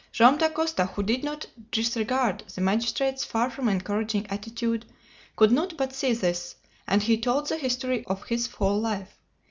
Joam Dacosta, who did not disregard the magistrate's far from encouraging attitude, could not but see this, and he told the history of his whole life.